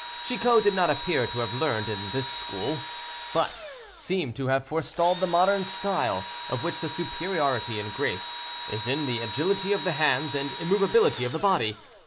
Chicot did not appear to have learned in this school, but seemed to have forestalled the modern style, of which the superiority and grace is in the agility of the hands and immovability of the body.